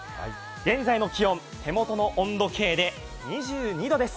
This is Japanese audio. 現在の気温、手元の温度計で２２度です。